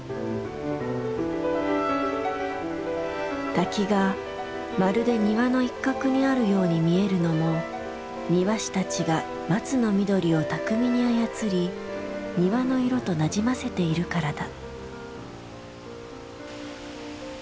滝がまるで庭の一角にあるように見えるのも庭師たちが松の緑を巧みに操り庭の色となじませているからだ。